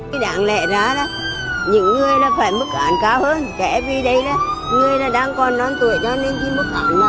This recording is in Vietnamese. vị cáo hồ nhật linh